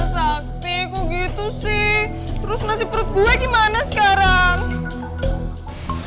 saktiku gitu sih terus nasi perut gue gimana sekarang